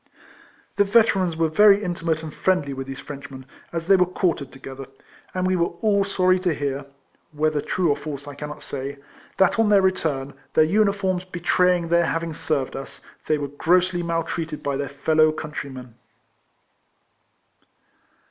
The Veterans were very intimate and friendly with these Frenchmen, as they were quartered together ; and we were all sorry to hear (whether true or false I can not say) that on their return, their uniforms betraying their having served us, they were grossly maltreated by their fellow country men.